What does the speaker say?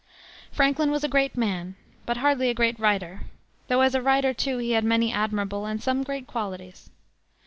Franklin was a great man, but hardly a great writer, though as a writer, too, he had many admirable and some great qualities.